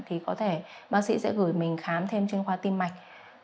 thì có thể bác sĩ sẽ gửi mình khám thêm chuyên khoa tim mạch